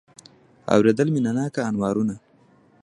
اورېدله مینه ناکه انوارونه